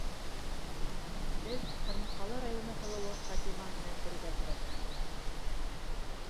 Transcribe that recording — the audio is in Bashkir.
Беҙ Ҡырмыҫҡалы районы һылыуы Фатима менән бергә тура килдек.